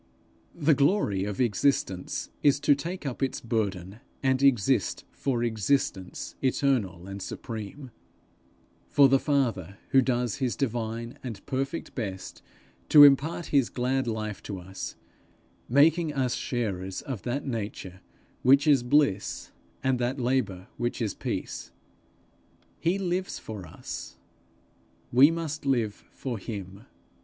The glory of existence is to take up its burden, and exist for Existence eternal and supreme for the Father who does his divine and perfect best to impart his glad life to us, making us sharers of that nature which is bliss, and that labour which is peace. He lives for us; we must live for him.